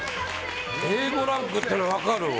Ａ５ランクっていうのが分かるわ。